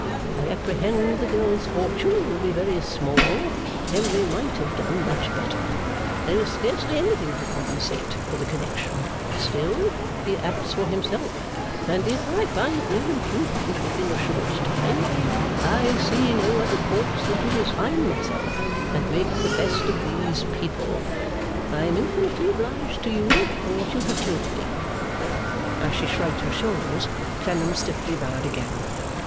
I apprehend the girl's fortune will be very small; Henry might have done much better; there is scarcely anything to compensate for the connection: still, he acts for himself; and if I find no improvement within a short time, I see no other course than to resign myself and make the best of these people. I am infinitely obliged to you for what you have told me.' As she shrugged her shoulders, Clennam stiffly bowed again.